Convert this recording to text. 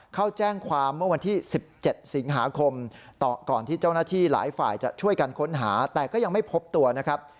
เข้าแจ้งความเมื่อวันที่๑๗สิงหาคมต่อก่อนที่เจ้าหน้าที่หลายฝ่ายจะช่วยกันค้นหาแต่ก็ยังไม่พบตัวนะครับ